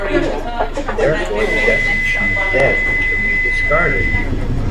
Therefore, the definition of Z can be discarded.